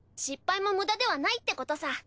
失敗も無駄ではないってことさ。